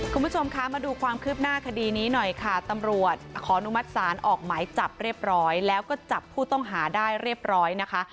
คุณผู้ชมคะมาดูความคืบหน้าคดีนี้หน่อยค่ะตำรวจขออนุมัติศาลออกหมายจับเรียบร้อยแล้วก็จับผู้ต้องหาได้เรียบร้อยนะคะ